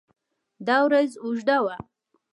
دا ورځ اوږده وه.